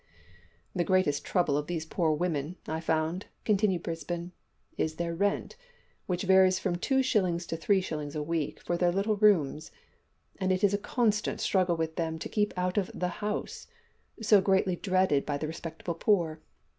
"The greatest trouble of these poor women, I found," continued Brisbane, "is their rent, which varies from 2 shillings to 3 shillings a week for their little rooms, and it is a constant struggle with them to keep out of `the House,' so greatly dreaded by the respectable poor.